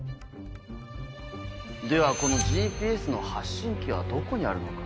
ではこのＧＰＳの発信器はどこにあるのか？